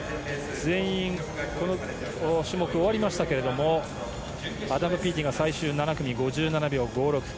全員この種目終わりましたがアダム・ピーティが最終７組５７秒５６。